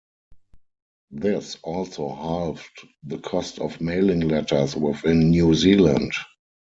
This also halved the cost of mailing letters within New Zealand.